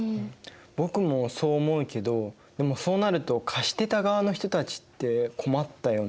僕もそう思うけどでもそうなると貸してた側の人たちって困ったよね？